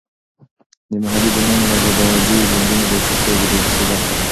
د محلي ځوانانو ازدواجي ژوندونه د کلتور د پراختیا برخه ده.